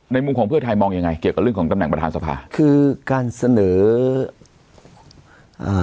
มุมของเพื่อไทยมองยังไงเกี่ยวกับเรื่องของตำแหน่งประธานสภาคือการเสนออ่า